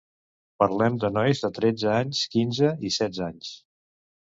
Parlem de nois de tretze anys, quinze i setze anys.